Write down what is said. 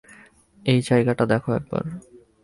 এই জায়গাটা দেখো একবার।